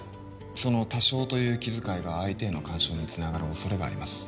その多少という気遣いが相手への干渉につながる恐れがあります